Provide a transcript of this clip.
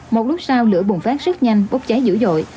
một lúc sau lửa bùng phát rất nhanh bốc cháy dữ dội